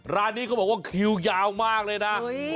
ร้านนี้เขาบอกว่าคิวยาวมากเลยนะ